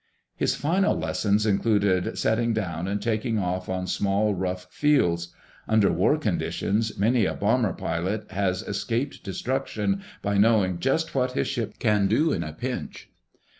His final lessons included setting down and taking off on small, rough fields. Under war conditions many a bomber pilot has escaped destruction by knowing just what his ship can do in a pinch.